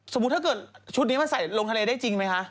ถ้าเกิดชุดนี้มันใส่ลงทะเลได้จริงไหมคะ